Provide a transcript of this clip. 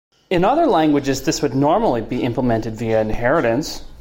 In other languages this would normally be implemented via inheritance.